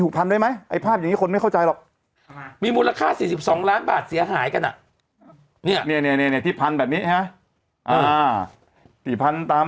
พันด้วยไหมไอ้ภาพอย่างนี้คนไม่เข้าใจหรอกมีมูลค่า๔๒ล้านบาทเสียหายกันอ่ะเนี่ยที่พันแบบนี้ฮะ